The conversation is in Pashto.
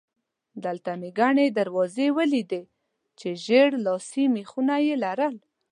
دلته مې ګڼې دروازې ولیدې چې ژېړ لاسي مېخونه یې لرل.